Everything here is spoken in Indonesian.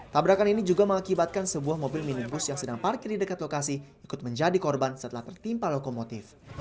tabrakan ini juga mengakibatkan sebuah mobil minibus yang sedang parkir di dekat lokasi ikut menjadi korban setelah tertimpa lokomotif